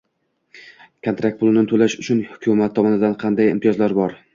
Kontrakt pulini to‘lash uchun hukumat tomonidan qanday imtiyozlar bor?